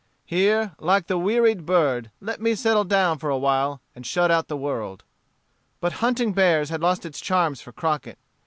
Here, like the wearied bird, let me settle down for a while, and shut out the world." But hunting bears had lost its charms for Crockett.